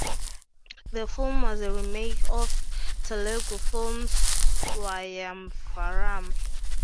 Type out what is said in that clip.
The film was a remake of Telugu film "Swayamvaram".